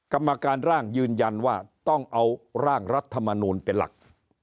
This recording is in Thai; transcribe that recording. กรรมการร่างยืนยันว่าต้องเอาร่างรัฐมนูลเป็นหลัก